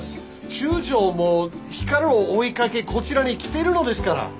中将も光を追いかけこちらに来てるのですから。